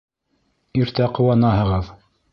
Иртә ҡыуанаһығыҙ!